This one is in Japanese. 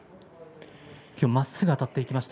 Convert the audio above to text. きょうまっすぐあたっていきました。